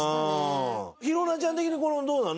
紘菜ちゃん的にどうなの？